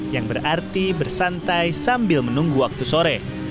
yang berarti bersantai sambil menunggu waktu sore